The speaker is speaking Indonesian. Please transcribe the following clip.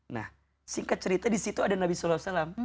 nah singkat cerita disitu ada nabi saw